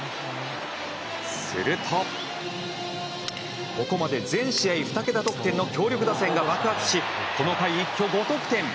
すると、ここまで全試合２桁得点の強力打線が爆発しこの回、一挙５得点！